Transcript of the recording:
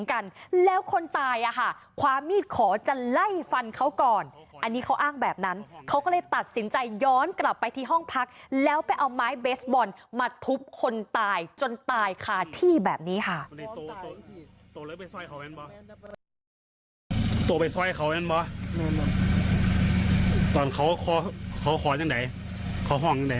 กลับไปที่ห้องพักแล้วไปเอาไม้เบสบอลมาทุบคนตายจนตายค่าที่แบบนี้ค่ะ